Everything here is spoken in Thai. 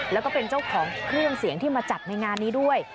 แล้วก็เป็นเจ้าของเครื่องเสียงที่มาจัดในงานนี้ด้วย